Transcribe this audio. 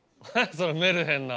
そのメルヘンな。